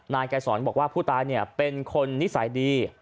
นายใกล้สอนบอกว่าผู้ตายเนี่ยเป็นคนนิสัยดี